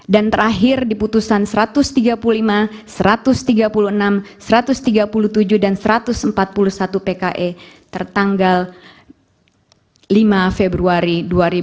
dan terakhir di putusan satu ratus tiga puluh lima satu ratus tiga puluh enam satu ratus tiga puluh tujuh dan satu ratus empat puluh satu pke tertanggal lima februari dua ribu dua puluh empat